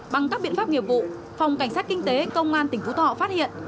bằng các biện pháp nghiệp vụ phòng cảnh sát kinh tế công an tp sóc trăng phát hiện